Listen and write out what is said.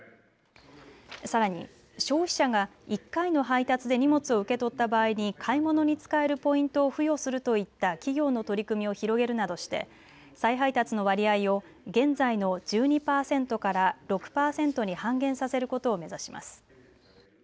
さらに消費者が１回の配達で荷物を受け取った場合に買い物に使えるポイントを付与するといった企業の取り組みを広げるなどして、再配達の割合を現在の１２％から６％に半減させることを目指します。